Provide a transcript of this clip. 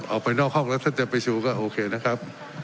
ออกไปนอกห้องแล้วท่านจะไปชูก็โอเคนะครับ